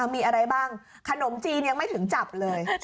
มีอะไรบ้างขนมจีนยังไม่ถึงจับเลย